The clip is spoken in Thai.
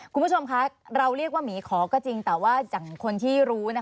คุณผู้ชมคะเราเรียกว่าหมีขอก็จริงแต่ว่าอย่างคนที่รู้